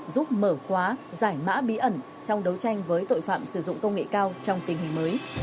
giúp mở khóa giải mã bí ẩn trong đấu tranh với tội phạm sử dụng công nghệ cao trong tình hình mới